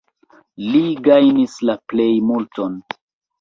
Li gajnis la plejmulton.